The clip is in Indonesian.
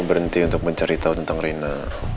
berhenti untuk menceritakan tentang rina